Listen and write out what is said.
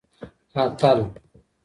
اتل